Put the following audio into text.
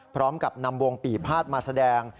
พร้อมกับนำวงปีภาษมาแสดง